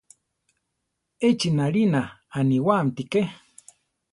Echi nalina aniwáamti ké.